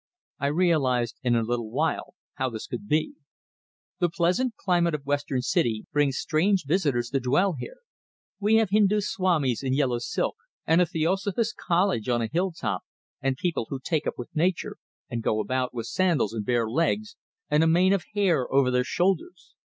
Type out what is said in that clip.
I realized in a little while how this could be. The pleasant climate of Western City brings strange visitors to dwell here; we have Hindoo swamis in yellow silk, and a Theosophist college on a hill top, and people who take up with "nature," and go about with sandals and bare legs, and a mane of hair over their shoulders.